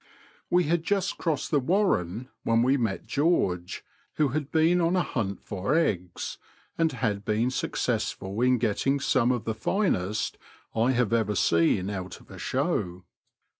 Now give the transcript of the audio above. We had just crossed the warren, when we met George, who had been on a hunt for eggs, and had been successftil in getting some of the finest I have ever seen out of a show.